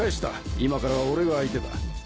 今からは俺が相手だ。